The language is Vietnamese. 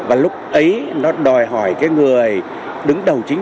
và lúc ấy nó đòi hỏi cái người đứng đầu chính